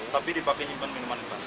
tapi dipakai minuman keras